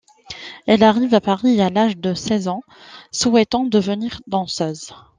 Elle arrive à Paris à l'âge de seize ans, souhaitant devenir danseuse.